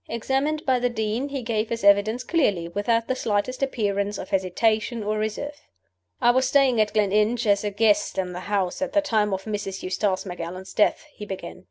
Examined by the Dean, he gave his evidence clearly, without the slightest appearance of hesitation or reserve. "I was staying at Gleninch as a guest in the house at the time of Mrs. Eustace Macallan's death," he began.